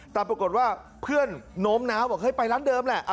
แต่ปรากฏว่าเพื่อนโน้มน้าวบอกเฮ้ยไปร้านเดิมแหละ